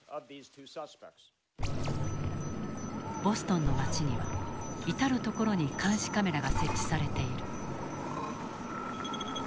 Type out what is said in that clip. ボストンの街には至る所に監視カメラが設置されている。